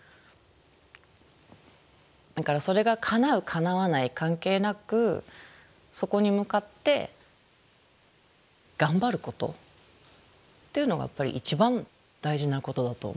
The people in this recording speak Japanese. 叶わない関係なくそこに向かって頑張ることっていうのがやっぱり一番大事なことだと思います。